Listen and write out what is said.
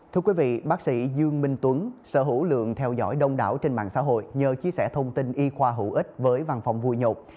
thưa quý vị bác sĩ dương minh tuấn sở hữu lượng theo dõi đông đảo trên mạng xã hội nhờ chia sẻ thông tin y khoa hữu ích với văn phòng vui nhột